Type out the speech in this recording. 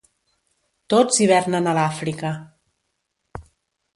Tots hivernen a l'Àfrica.